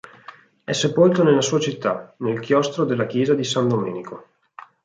È sepolto nella sua città, nel chiostro della chiesa di San Domenico.